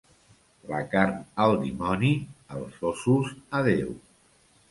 La carn al dimoni, els ossos a Déu.